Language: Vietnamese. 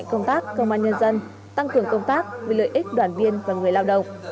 công tác công an nhân dân tăng cường công tác vì lợi ích đoàn viên và người lao động